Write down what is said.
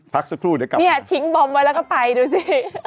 พักสักครู่เดี๋ยวก่อนเนี่ยทิ้งบอมไว้แล้วก็ไปดูสิ